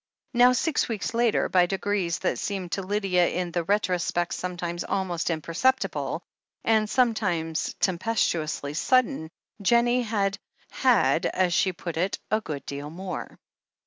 4IO THE HEEL OF ACHILLES Now, six weeks later, by degrees that seemed to Lydia in the retrospect sometimes aknost imperceptible, and sometimes tempestuously sudden, Jennie had "had/' as she put it, a good deal more.